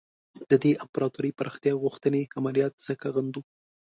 د دې امپراطوري پراختیا غوښتنې عملیات ځکه غندو.